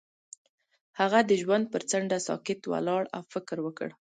هغه د ژوند پر څنډه ساکت ولاړ او فکر وکړ.